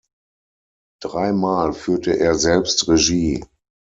Dreimal führte er selbst Regie.